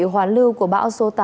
hoán lưu của bão số tám